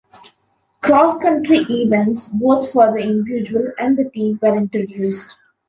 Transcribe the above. Cross-country events, both for the individual and the team, were introduced.